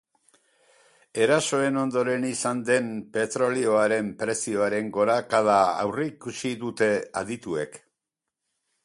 Erasoen ondoren izan den petrolioaren prezioaren gorakada aurreikusi dute adituek.